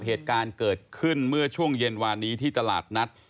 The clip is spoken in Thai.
เหตุการณ์เกิดขึ้นเมื่อช่วงเย็นวานนี้ที่ตลาดนัด